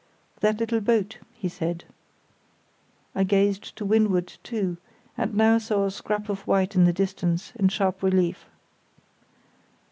"That little boat," he said. I gazed to windward, too, and now saw a scrap of white in the distance, in sharp relief.